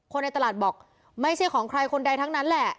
ในตลาดบอกไม่ใช่ของใครคนใดทั้งนั้นแหละ